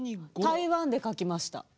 台湾で書きました。